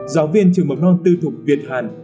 giáo viên trường mầm non tư thục việt hàn